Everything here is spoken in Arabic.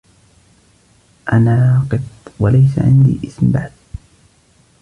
أنا قط ، وليس عندي اسم بعد.